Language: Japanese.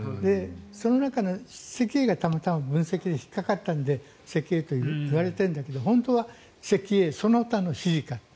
その中の石英がたまたま分析に引っかかったので石英と言われているんだけど本当は石英、その他のシリカ。